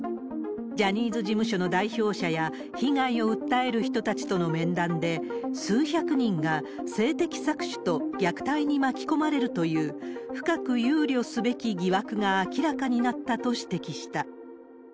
ジャニーズ事務所の代表者や、被害を訴える人たちとの面談で、数百人が性的搾取と虐待に巻き込まれるという、深く憂慮すべき疑惑が明らかになったと指摘した。